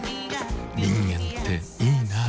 人間っていいナ。